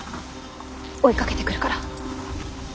追いかけてくるから。